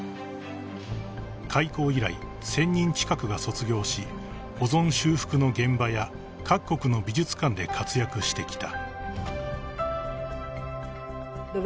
［開校以来１，０００人近くが卒業し保存修復の現場や各国の美術館で活躍してきた］